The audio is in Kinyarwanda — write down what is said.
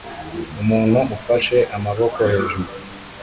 Umuntu ufashe amaboko hejuru